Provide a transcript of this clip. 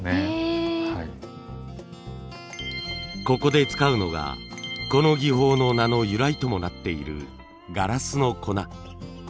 ここで使うのがこの技法の名の由来ともなっているガラスの粉。